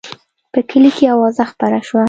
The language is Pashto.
په کلي کې اوازه خپره شوه.